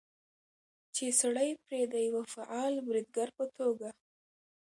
چې سړى پرې د يوه فعال بريدګر په توګه